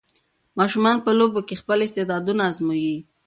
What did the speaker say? ماشومان په لوبو کې خپل استعداد ازمويي.